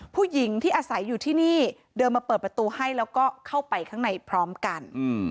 ผู้หญิงที่อาศัยอยู่ที่นี่เดินมาเปิดประตูให้แล้วก็เข้าไปข้างในพร้อมกัน